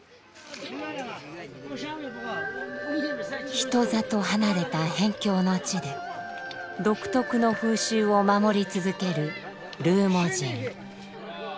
人里離れた辺境の地で独特の風習を守り続けるルーモ人。